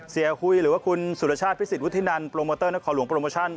เซียหุ้ยหรือว่าคุณสุรชาติพิษศิษฐ์วุฒินันโปรโมเตอร์และขอหลวงโปรโมชั่น